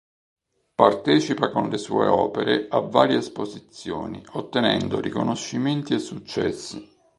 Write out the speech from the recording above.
Partecipa con sue opere a varie esposizioni, ottenendo riconoscimenti e successi.